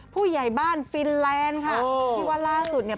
ผู้ใหญ่บ้านฟินแลนด์ค่ะที่ว่าล่าสุดเนี่ย